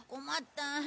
困った。